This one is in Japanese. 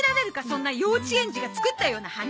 そんな幼稚園児が作ったような話！